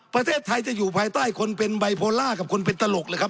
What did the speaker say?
ประเทศไทยจะอยู่ภายใต้คนเป็นไบโพล่ากับคนเป็นตลกเลยครับ